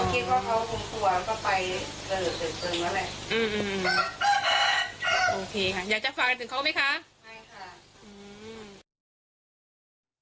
เพราะคิดว่าเขาหงวงไปเบลอศึกตึงละเนี่ย